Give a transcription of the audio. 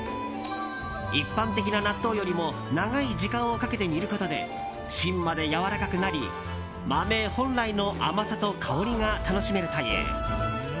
一般的な納豆よりも長い時間をかけて煮ることで芯までやわらかくなり、豆本来の甘さと香りが楽しめるという。